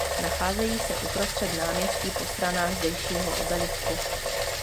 Nacházejí se uprostřed náměstí po stranách zdejšího obelisku.